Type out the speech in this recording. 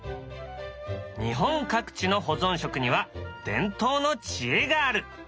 日本各地の保存食には伝統の知恵がある。